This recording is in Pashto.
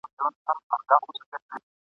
د پاچا تر اجازې وروسته وو تللی !.